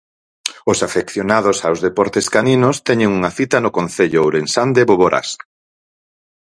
Os afeccionados aos deportes caninos teñen unha cita no concello ourensán de Boborás.